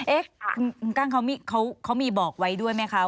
เอ๊ะคุณกั้งเขามีบอกไว้ด้วยไหมคะ